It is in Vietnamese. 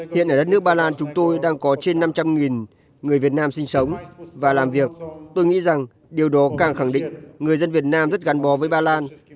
hiện ở đất nước ba lan chúng tôi đang có trên năm trăm linh người việt nam sinh sống và làm việc tôi nghĩ rằng điều đó càng khẳng định người dân việt nam rất gắn bó với ba lan